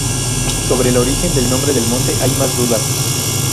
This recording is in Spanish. Sobre el origen del nombre del monte hay más dudas.